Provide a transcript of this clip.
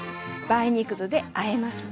梅肉酢であえます。